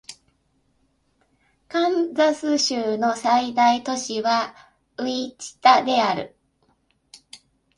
カンザス州の最大都市はウィチタである